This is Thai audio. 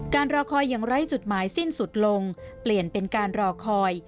รอคอยอย่างไร้จุดหมายสิ้นสุดลงเปลี่ยนเป็นการรอคอย